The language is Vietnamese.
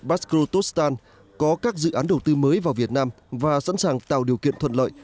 baskotostan có các dự án đầu tư mới vào việt nam và sẵn sàng tạo điều kiện thuận lợi